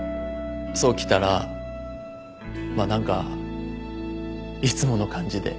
想来たらまあ何かいつもの感じで。